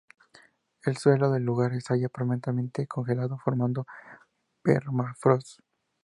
El suelo del lugar se halla permanentemente congelado formando permafrost.